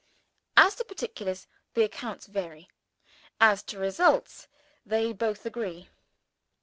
As to particulars, the accounts vary. As to results, they both agree.